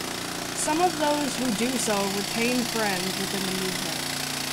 Some of those who do so retain friends within the movement.